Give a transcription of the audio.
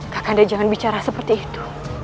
kak kanda jangan bicara seperti itu